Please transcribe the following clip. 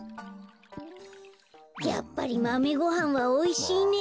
やっぱりマメごはんはおいしいねえ。